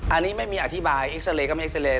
อันนี้ไม่มีอธิบายเอ็กซาเรย์ก็ไม่เอ็กซาเรย